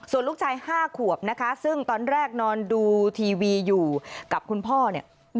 ส่วนลูกชาย๕ขวบนะคะซึ่งตอนแรกนอนดูทีวีอยู่กับคุณพ่อเนี่ย